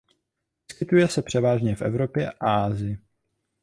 Vyskytuje se převážně v Evropě a Asii.